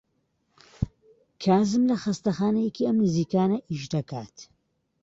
کازم لە خەستەخانەیەکی ئەم نزیکانە ئیش دەکات.